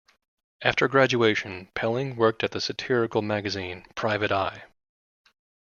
After graduation, Pelling worked at the satirical magazine "Private Eye".